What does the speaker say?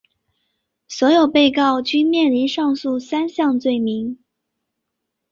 所有被告均面临上述三项罪名。